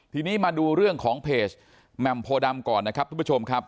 ทีนี้มาดูเรื่องของเพจแหม่มโพดำก่อนนะครับทุกผู้ชมครับ